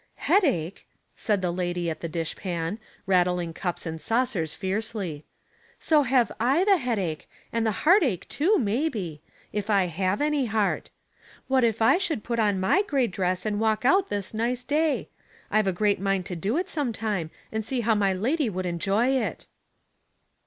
''Headache!" said the lady at the dish pan, rattling cups and saucers fiercely. " So have I the headache, and the heartache too, maybe — if I have any heart. What if / should put on my gray dress and walk out this nice day. I've a great mind to do it sometime, and see how my lady would enjoy it."